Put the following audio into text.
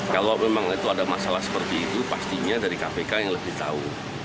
kalau memang itu ada masalah seperti itu pastinya dari kpk yang lebih tahu